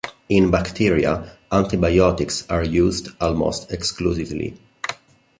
In bacteria, antibiotics are used almost exclusively.